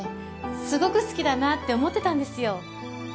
すごく好きだなって思ってたんですよ